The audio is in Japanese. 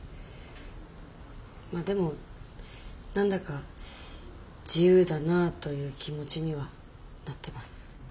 まあでも何だか自由だなという気持ちにはなってます。